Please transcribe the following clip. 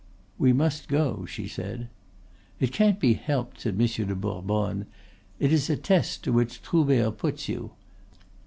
"We must go," she said. "It can't be helped," said Monsieur de Bourbonne. "It is a test to which Troubert puts you.